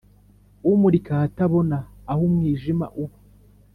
Umurika ahatabona Aho umwijima uba